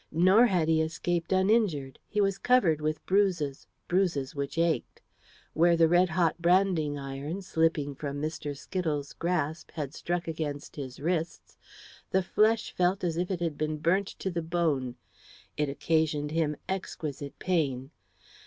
Nor had he escaped uninjured. He was covered with bruises bruises which ached. Where the red hot branding iron, slipping from Mr. Skittles' grasp, had struck against his wrists, the flesh felt as if it had been burnt to the bone; it occasioned him exquisite pain.